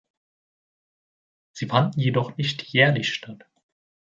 Sie fanden jedoch nicht jährlich statt.